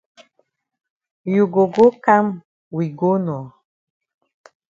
You go go kam we go nor.